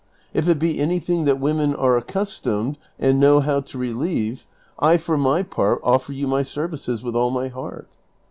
If it be anything that women are accustomed, and know how to relieve, I for my part offer you my services with all my heart."